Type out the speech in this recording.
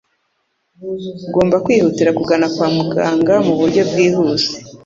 ugomba kwihutira kugana kwa muganga mu buryo bwihuse.